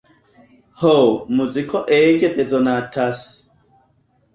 Ho, muziko ege bezonatas.